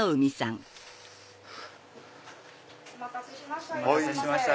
お待たせしました